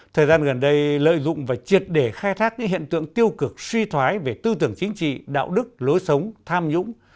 thời gian gần đây lợi dụng và triệt để khai thác những hiện tượng tiêu cực suy thoái về tư tưởng chính trị đạo đức lối sống tham nhũng